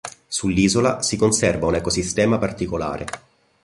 Sull'isola si conserva un ecosistema particolare.